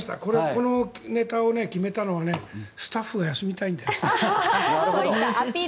このネタを決めたのはスタッフが休みたいんだよ。